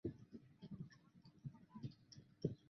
该物种的模式产地在印度特兰克巴尔。